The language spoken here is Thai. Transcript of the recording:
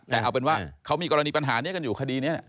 แต่เอาเป็นว่าเขามีกรณีปัญหานี้กันอยู่คดีนี้